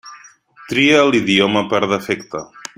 Tria l'idioma per defecte.